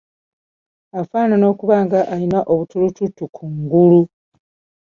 Afaanana okuba ng’alina obutulututtu ku ngulu.